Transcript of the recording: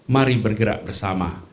mari bergerak bersama